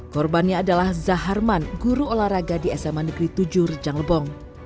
korbannya adalah zaharman guru olahraga di sma negeri tujuh rejang lebong